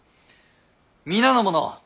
皆の者